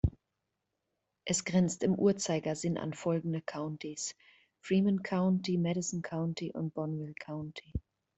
Es grenzt im Uhrzeigersinn an folgende Countys: Fremont County, Madison County und Bonneville County.